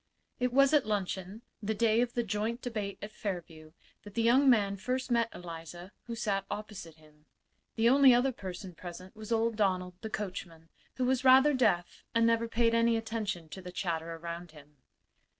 It was at luncheon, the day of the joint debate at Fairview, that the young man first met Eliza, who sat opposite him. The only other person present was old Donald, the coachman, who was rather deaf and never paid any attention to the chatter around him.